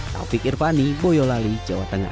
taufik irvani boyolali jawa tengah